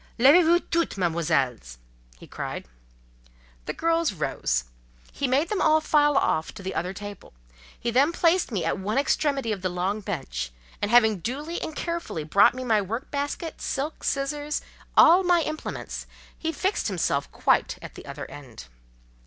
"Levez vous toutes, Mesdemoiselles!" cried he. The girls rose. He made them all file off to the other table. He then placed me at one extremity of the long bench, and having duly and carefully brought me my work basket, silk, scissors, all my implements, he fixed himself quite at the other end.